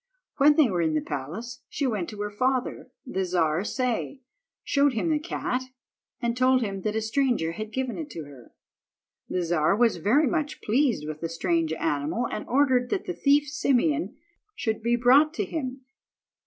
When they were in the palace, she went to her father, the Czar Say, showed him the cat, and told him that a stranger had given it to her. The Czar was very much pleased with the strange animal, and ordered that the thief Simeon should be brought to him.